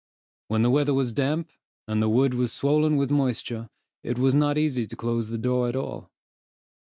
When the weather was damp, and the wood was swollen with moisture, it was not easy to close the door at all.